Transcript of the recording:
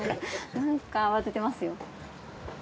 なんか慌ててますよ。